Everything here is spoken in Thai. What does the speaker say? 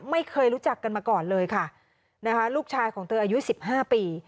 ไม่เคยรู้จักกันมาก่อนเลยค่ะนะคะลูกชายของเธออายุสิบห้าปี